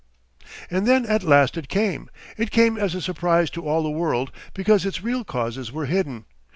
And then at last it came. It came as a surprise to all the world because its real causes were hidden.